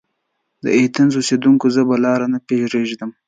د ایتهنز اوسیدونکیو! زه به لار نه پريږدم.